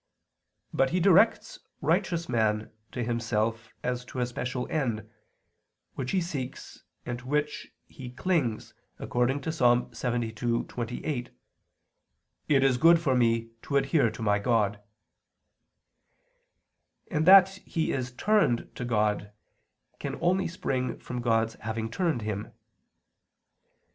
But He directs righteous men to Himself as to a special end, which they seek, and to which they wish to cling, according to Ps. 72:28, "it is good for Me to adhere to my God." And that they are "turned" to God can only spring from God's having "turned" them.